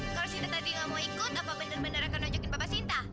kalau sinta tadi nggak mau ikut apa benar benar akan nunjukin bapak sinta